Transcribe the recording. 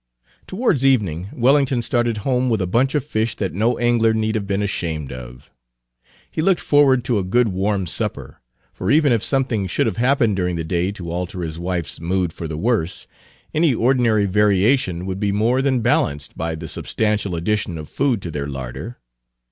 Towards evening Wellington started home with a bunch of fish that no angler need have been ashamed of. He looked forward to a good warm supper; for even if something should have happened during the day to alter his wife's mood for the worse, any ordinary variation would be more than balanced by the substantial addition of food to their larder.